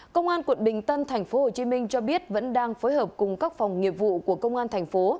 công an quận bình tân tp hcm cho biết vẫn đang phối hợp cùng các phòng nghiệp vụ của công an thành phố